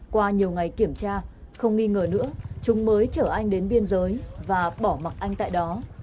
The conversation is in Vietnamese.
qua nhiều ngày kiểm tra không nghi ngờ nữa chúng mới chở anh đến biên giới và bỏ mặc anh tại đó